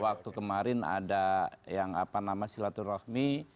waktu kemarin ada yang apa namanya silaturahmi